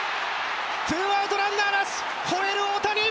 ツーアウトランナー、ほえる大谷。